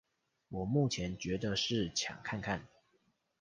我目前覺得是搶看看